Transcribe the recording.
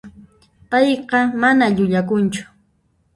Payqa mana llullakunchu.